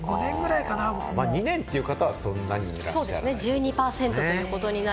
２年という方はそんなにいらっしゃらない。